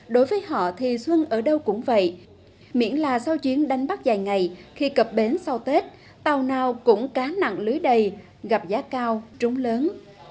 đối với họ thì xuân ở đâu cũng vậy miễn là sau chuyến đánh bắt dài ngày khi cập bến sau tết tàu nào cũng cá nặng lưới đầy gặp giá cao trúng lớn